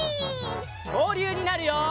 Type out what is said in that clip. きょうりゅうになるよ！